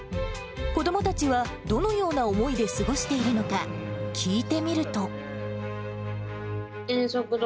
子どもたちはどのような思いで過ごしているのか、聞いてみると。